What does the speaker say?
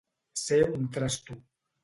Ser un trasto.